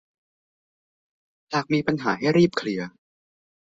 หากมีปัญหาให้รีบเคลียร์